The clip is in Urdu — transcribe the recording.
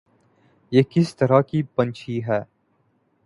یہ کس طرح کی پنچھی ہے